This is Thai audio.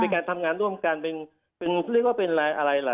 เป็นการทำงานร่วมกันเรียกว่าเป็นอะไรล่ะ